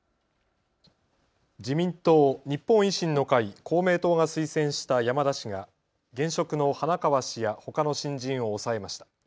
自民党、日本維新の会、公明党が推薦した山田氏が現職の花川氏やほかの新人を抑えました。